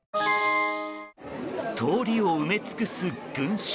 通りを埋め尽くす群衆。